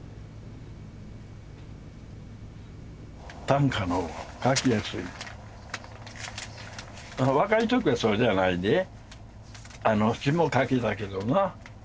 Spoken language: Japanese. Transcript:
短歌のほうが書きやすい若い時はそうじゃないで詩も書けたけどな